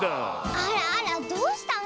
あらあらどうしたの？